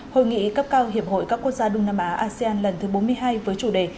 hội nghị cấp cao hiệp hội các quốc gia đông nam á asean lần thứ bốn mươi hai với chủ đề